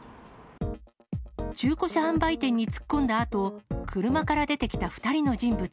中古車販売店に突っ込んだあと、車から出てきた２人の人物。